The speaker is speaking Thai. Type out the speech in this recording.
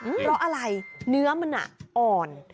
เพราะอะไรเนื้อมันอ่อน